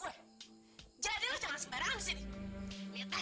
siapa yang akan menentukan